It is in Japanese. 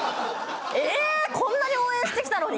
こんなに応援してきたのに？